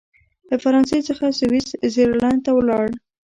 له فرانسې څخه سویس زرلینډ ته ولاړ.